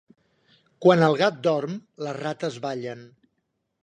Quan el gat dorm, les rates ballen.